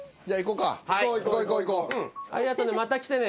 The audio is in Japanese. ありがとうねまた来てね。